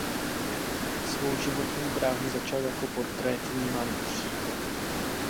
Svou životní dráhu začal jako portrétní malíř.